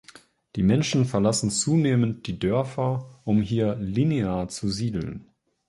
Die Menschen verlassen zunehmend die Dörfer, um hier linear zu siedeln.